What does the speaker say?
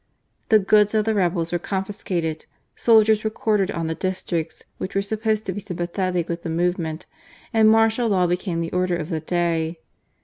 The goods of the rebels were confiscated, soldiers were quartered on the districts which were supposed to be sympathetic with the movement, and martial law became the order of the day.